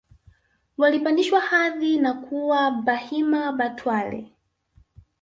walipandishwa hadhi na kuwa Bahima Batware